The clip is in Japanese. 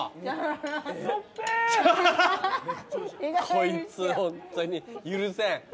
こいつホントに許せん。